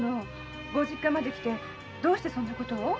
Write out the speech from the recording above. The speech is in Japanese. ご実家まで来てどうしてそんなことを？